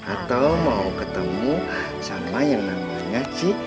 atau mau ketemu sama yang namanya cik